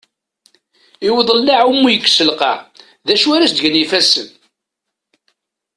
I uḍellaε umi yekkes lqaε, d acu ara s-d-gen yifassen?